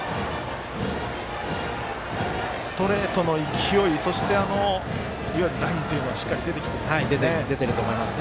ストレートの勢いそして、いわゆるラインは出てきていますね。